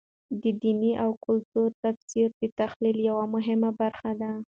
د دیني او کلتور تفسیر د تحلیل یوه مهمه برخه ده.